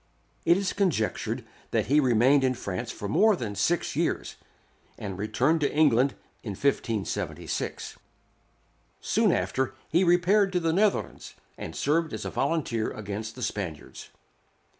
It is conjectured that he remained in France for more than six years, and returned to England in 1576. Soon after he repaired to the Netherlands, and served as a volunteer against the Spaniards.